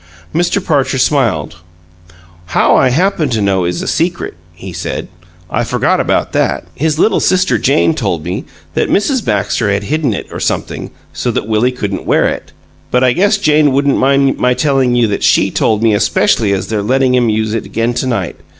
Mr. Parcher smiled. "How I happen to know is a secret," he said. "I forgot about that. His little sister, Jane, told me that Mrs. Baxter had hidden it, or something, so that Willie couldn't wear it, but I guess Jane wouldn't mind my telling YOU that she told me especially as they're letting him use it again to night.